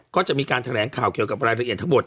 ก็จะมีการแถลงข่าวเกี่ยวกับรายละเอียดทั้งหมด